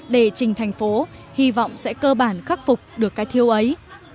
để trình thành phố hy vọng sẽ cơ bản khắc phục được cái thiêu ấy